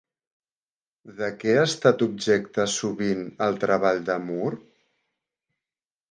De què ha estat objecte sovint el treball de Moore?